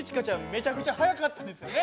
めちゃくちゃ速かったですよね。